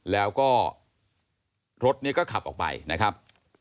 แล้วก็รถเนี่ยก็ขับออกไปนะครับ